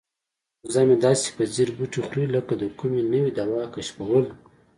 وزه مې داسې په ځیر بوټي خوري لکه د کومې نوې دوا کشفول.